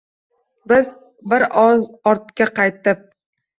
Bir oz ortta qaytib…